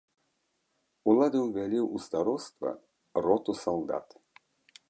Улады ўвялі ў староства роту салдат.